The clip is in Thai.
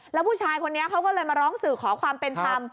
แล้วผู้ชายคนนี้เขาก็เลยมาร้องสื่อขอความเป็นธรรม